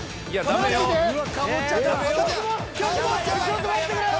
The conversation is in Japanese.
ちょっと待ってくれよ！